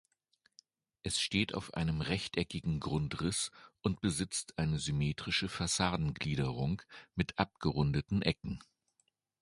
Es steht auf einem rechteckigen Grundriss und besitzt eine symmetrische Fassadengliederung mit abgerundeten Ecken.